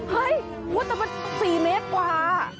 เฮ้ยมัวแต่มัน๔เมตรกว่า